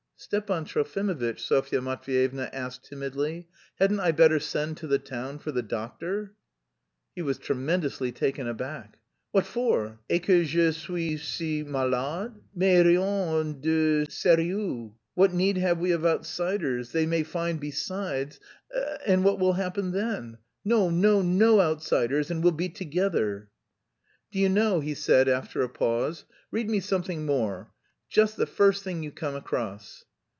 "Stepan Trofimovitch," Sofya Matveyevna asked timidly, "hadn't I better send to the town for the doctor?" He was tremendously taken aback. "What for? Est ce que je suis si malade? Mais rien de sérieux. What need have we of outsiders? They may find, besides and what will happen then? No, no, no outsiders and we'll be together." "Do you know," he said after a pause, "read me something more, just the first thing you come across."